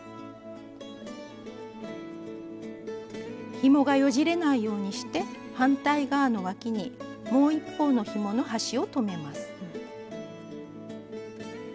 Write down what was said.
ひもがよじれないようにして反対側のわきにもう一方のひもの端を留めます。